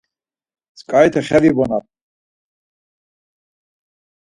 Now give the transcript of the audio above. Tzǩarite xe vibonam.